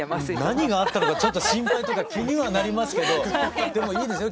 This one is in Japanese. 何があったのかちょっと心配というか気にはなりますけどでもいいですよ。